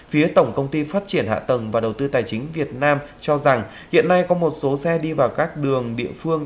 phía tổng công ty phát triển hạ tầng và đầu tư tài chính việt nam cho rằng hiện nay có một số xe đi vào các đường địa phương